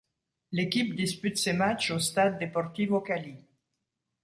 L'équipe dispute ses matchs au stade Deportivo Cali.